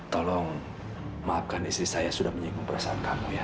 tolong maafkan istri saya sudah menyinggung perasaan kamu ya